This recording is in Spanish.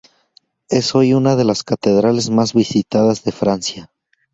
Es hoy una de las catedrales más visitadas de Francia.